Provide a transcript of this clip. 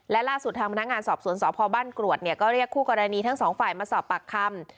และล่าสุดทางพนักงานสอบสวนสพบ้านกรวดเนี่ยก็เรียกคู่กรณีทั้งสองฝ่ายมาสอบปากคำ